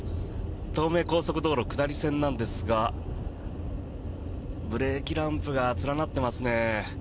東名高速道路下り線なんですがブレーキランプが連なってますね。